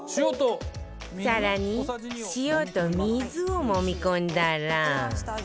更に塩と水をもみ込んだら